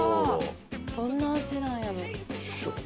どんな味なんやろ？